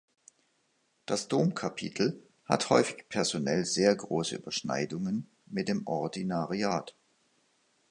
Das Domkapitel hat häufig personell sehr große Überschneidungen mit dem Ordinariat.